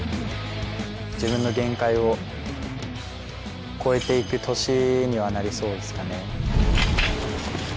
自分の限界を超えていく年にはなりそうですかね。